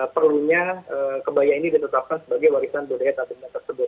perlunya kebaya ini ditetapkan sebagai warisan budaya tatunda tersebut